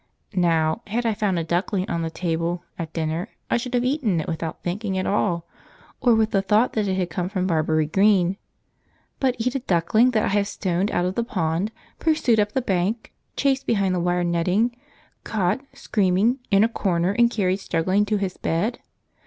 Now, had I found a duckling on the table at dinner I should have eaten it without thinking at all, or with the thought that it had come from Barbury Green. But eat a duckling that I have stoned out of the pond, pursued up the bank, chased behind the wire netting, caught, screaming, in a corner, and carried struggling to his bed?